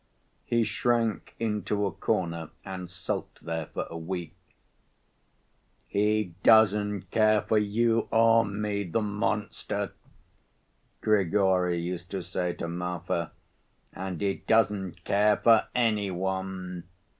He shrank into a corner and sulked there for a week. "He doesn't care for you or me, the monster," Grigory used to say to Marfa, "and he doesn't care for any one.